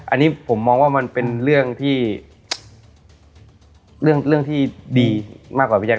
อันนี้ผมมองว่ามันเป็นเรื่องที่ดีมากกว่าพี่แจ๊ก